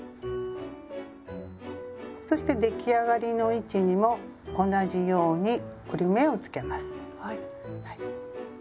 そして出来上がりの位置にも同じように折り目をつけます。